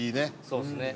そうですね。